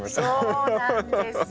そうなんですよ！